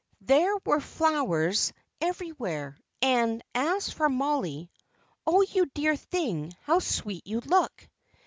There were flowers everywhere, and as for Mollie, "Oh, you dear thing! how sweet you look!"